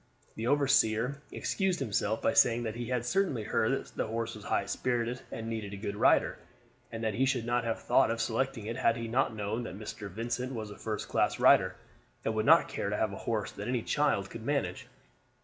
The overseer excused himself by saying that he had certainly heard that the horse was high spirited and needed a good rider, and that he should not have thought of selecting it had he not known that Mr. Vincent was a first class rider, and would not care to have a horse that any child could manage.